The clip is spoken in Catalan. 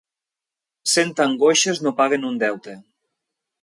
Cent angoixes no paguen un deute.